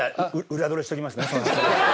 裏取りしときます。